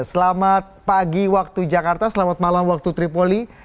selamat pagi waktu jakarta selamat malam waktu tripoli